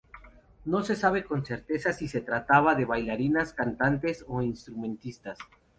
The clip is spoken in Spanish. No se sabe con certeza si se trataban de bailarinas, cantantes o instrumentistas.